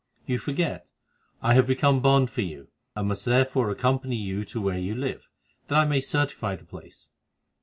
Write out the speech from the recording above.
You forget, I have become bond for you, and must therefore accompany you to where you live, that I may certify the place.